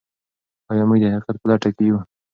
آیا موږ د حقیقت په لټه کې یو؟